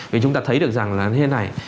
vì chúng ta thấy được rằng là như thế này